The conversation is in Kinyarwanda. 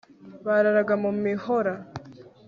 bararaga mu mihora